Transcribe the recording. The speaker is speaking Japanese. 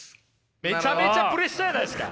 めちゃめちゃプレッシャーじゃないですか！